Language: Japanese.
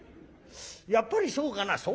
「やっぱりそうかな」。